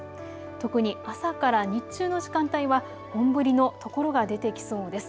特に朝から日中の時間帯は本降りの所が出てきそうです。